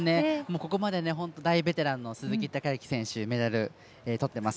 ここまで大ベテランの鈴木孝幸選手メダル、とってます。